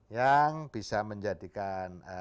yang bisa menjadikan